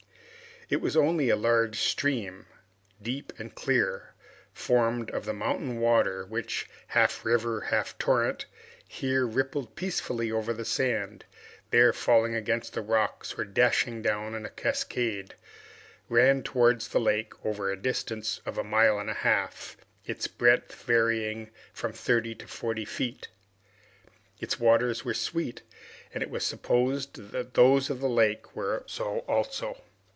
It was only a large stream, deep and clear, formed of the mountain water, which, half river, half torrent, here rippling peacefully over the sand, there falling against the rocks or dashing down in a cascade, ran towards the lake, over a distance of a mile and a half, its breadth varying from thirty to forty feet. Its waters were sweet, and it was supposed that those of the lake were so also.